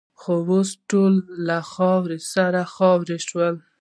خو اوس ټول له خاورو سره خاوروې شول.